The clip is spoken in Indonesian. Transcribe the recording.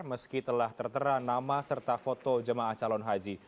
meski telah tertera nama serta foto jemaah calon haji